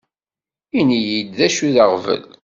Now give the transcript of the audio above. Init-yi-d d acu i d aɣbel.